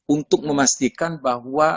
untuk memastikan bahwa